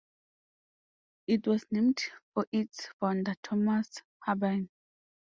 It was named for its founder, Thomas Harbine.